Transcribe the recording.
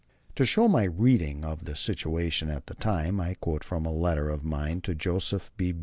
To show my reading of the situation at the time I quote from a letter of mine to Joseph B.